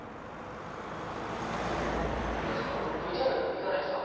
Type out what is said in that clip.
ＶＴＲいかないんすか？